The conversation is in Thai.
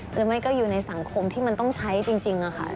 หรือไม่ก็อยู่ในสังคมที่มันต้องใช้จริงค่ะ